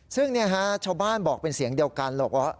ซึ่งชาวบ้านบอกเป็นเสียงเดียวกันหรอกว่า